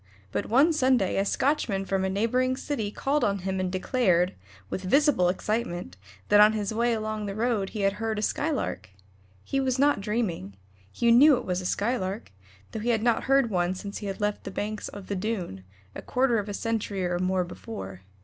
But one Sunday a Scotchman from a neighboring city called on him and declared, with visible excitement, that on his way along the road he had heard a Skylark. He was not dreaming; he knew it was a Skylark, though he had not heard one since he had left the banks of the Doon, a quarter of a century or more before.